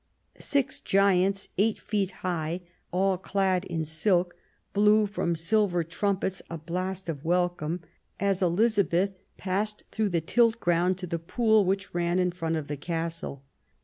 Six giants, eight feet high, all clad in silk, blew from silver trumpets a blast of welcome as Elizabeth passed through the tilt ground to the pool which ran in front of the castle.